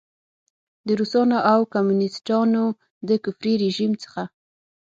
د روسانو او کمونیسټانو د کفري رژیم څخه.